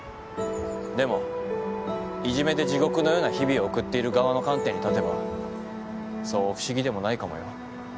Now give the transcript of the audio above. でもいじめで地獄のような日々を送っている側の観点に立てばそう不思議でもないかもよ。